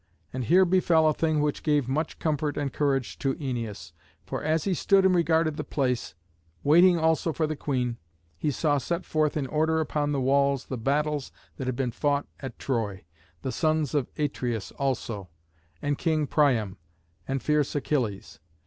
And here befell a thing which gave much comfort and courage to Æneas; for as he stood and regarded the place, waiting also for the queen, he saw set forth in order upon the walls the battles that had been fought at Troy, the sons of Atreus also, and King Priam, and fierce Achilles.